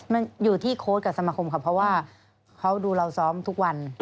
มันอยู่ที่โค้ดกับสมาคมค่ะเพราะว่าเขาดูเราซ้อมทุกวัน